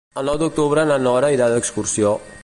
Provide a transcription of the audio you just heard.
El nou d'octubre na Nora irà d'excursió.